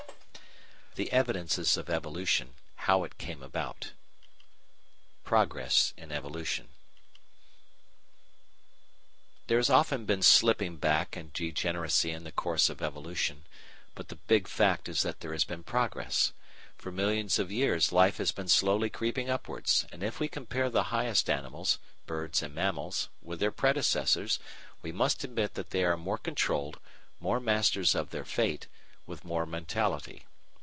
THE EVIDENCES OF EVOLUTION HOW IT CAME ABOUT § 1 Progress in Evolution There has often been slipping back and degeneracy in the course of evolution, but the big fact is that there has been progress. For millions of years Life has been slowly creeping upwards, and if we compare the highest animals Birds and Mammals with their predecessors, we must admit that they are more controlled, more masters of their fate, with more mentality.